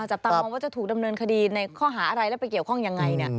จับตามองว่าจะถูกดำเนินคดีในข้อหาอะไรแล้วไปเกี่ยวข้องยังไง